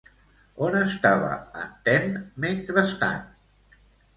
On estava en Temme mentrestant?